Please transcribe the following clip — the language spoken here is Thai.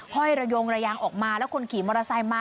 ห้อยระยงระยางออกมาแล้วคนขี่มอเตอร์ไซค์มา